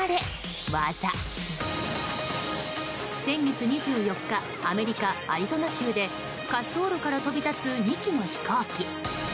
先月２４日アメリカ・アリゾナ州で滑走路から飛び立つ２機の飛行機。